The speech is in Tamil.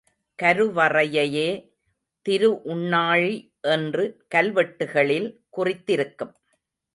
கருவறையையே திருஉண்ணாழி என்று கல்வெட்டுகளில் குறித்திருக்கும்.